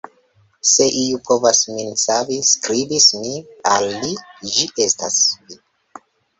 "Se iu povas min savi, skribis mi al li, ĝi estas vi."